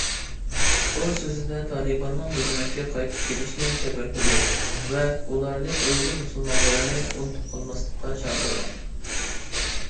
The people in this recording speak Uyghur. ئۇ سۆزىدە تالىباننىڭ ھۆكۈمەتكە قايتىپ كېلىشنى تەبرىكلىگەن ۋە ئۇلارنى ئۇيغۇر مۇسۇلمانلىرىنى ئۇنتۇپ قالماسلىققا چاقىرغان.